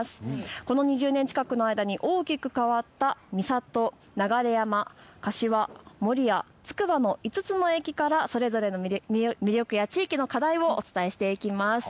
この２０年近くの間に大きく変わった三郷、流山、柏、守谷、つくばの５つの駅からそれぞれの魅力や地域の課題をお伝えしていきます。